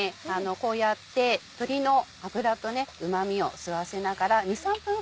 こうやって鳥の脂とうまみを吸わせながら。